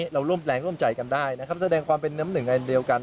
เราร่วมแรงร่วมใจกันได้นะครับแสดงความเป็นน้ำหนึ่งอันเดียวกัน